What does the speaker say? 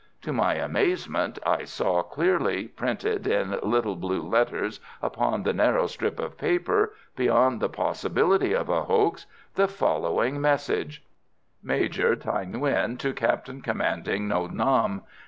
To my amazement I saw, clearly printed in little blue letters upon the narrow strip of paper, beyond the possibility of a hoax, the following message: "_Major Thaï Nguyen, to Captain Commanding Nha Nam.